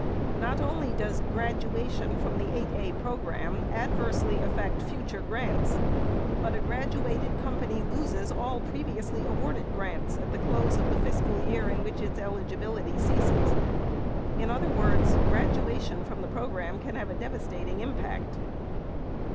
Not only does "graduation" from the 8(a) program adversely affect future grants, but a "graduated" company loses all previously awarded grants at the close of the fiscal year in which its eligibility ceases. In other words, "graduation" can have a devastating impact.